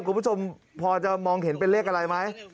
คุณผู้ชมพอจะมองเห็นเป็นเลขอะไรไหม